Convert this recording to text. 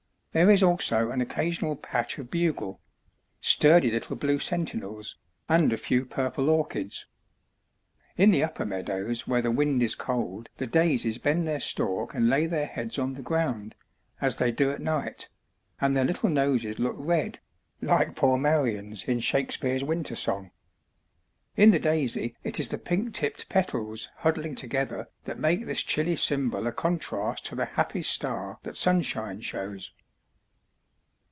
There is also an occasional patch of bugleŌĆösturdy little blue sentinels, and a few purple orchids. In the upper meadows where the wind is cold the daisies bend their stalk and lay their heads on the ground (as they do at night), and their little noses look red like poor MarianŌĆÖs in ShakespeareŌĆÖs winter song. In the daisy it is the pink tipped petals huddling together that make this chilly symbol a contrast to the happy star that sunshine shows.